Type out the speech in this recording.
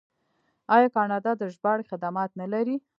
آیا کاناډا د ژباړې خدمات نلري؟